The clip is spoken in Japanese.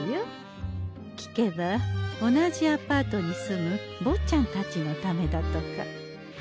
聞けば同じアパートに住むぼっちゃんたちのためだとか。